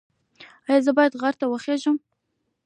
ایا زه باید غر ته وخیزم؟